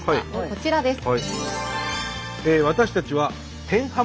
こちらです。